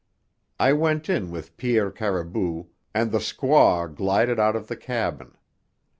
I went in with Pierre Caribou, and the squaw glided out of the cabin.